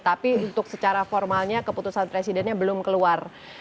tapi untuk secara formalnya keputusan presidennya belum keluar